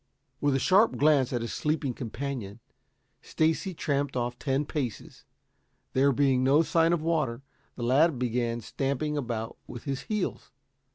'" With a sharp glance at his sleeping companion, Stacy tramped off ten paces. There being no sign of water, the lad began stamping about with his heels.